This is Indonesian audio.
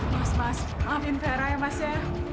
mas mas alvin vera ya mas ya